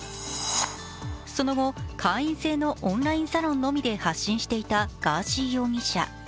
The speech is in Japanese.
その後、会員制のオンラインサロンのみで発信していたガーシー容疑者。